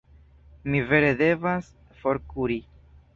Mi vere devas forkuri.